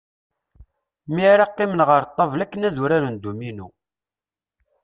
Mi ara d-qqimen ɣer ṭṭabla akken ad uraren dduminu.